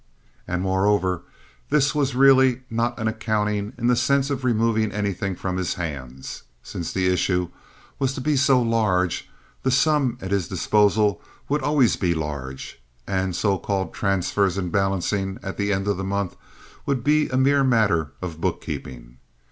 And, moreover, this was really not an accounting in the sense of removing anything from his hands. Since the issue was to be so large, the sum at his disposal would always be large, and so called transfers and balancing at the end of the month would be a mere matter of bookkeeping.